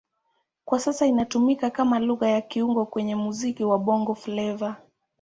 Kwa sasa inatumika kama Lugha ya kiungo kwenye muziki wa Bongo Flava.